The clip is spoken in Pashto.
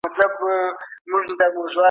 ايا د ليکوال عقل د خلګو لپاره د منلو وړ دی؟